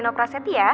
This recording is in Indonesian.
gak mau pasti